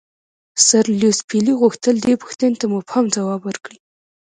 سر لیویس پیلي غوښتل دې پوښتنې ته مبهم ځواب ورکړي.